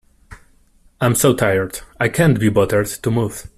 I'm so tired, I can't be bothered to move.